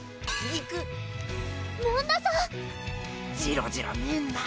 ジロジロ見んな！